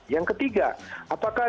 yang ketiga apakah